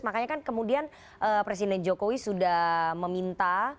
makanya kan kemudian presiden jokowi sudah meminta